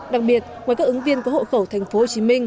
đặc biệt ngoài các ứng viên của hộ khẩu tp hcm